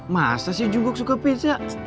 masa sih juguk suka pizza